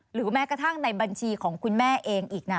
หรือแม้กระทั่งในบัญชีของคุณแม่เองอีกนะ